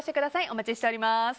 お待ちしております。